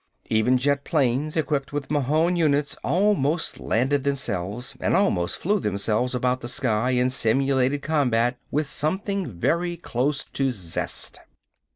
Even jet planes equipped with Mahon units almost landed themselves, and almost flew themselves about the sky in simulated combat with something very close to zest.